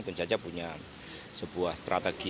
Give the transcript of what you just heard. tentu saja punya sebuah strategi